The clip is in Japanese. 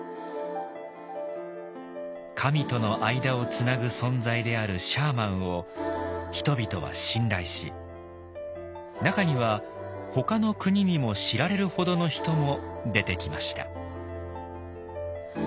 神との間をつなぐ存在であるシャーマンを人々は信頼し中にはほかのクニにも知られるほどの人も出てきました。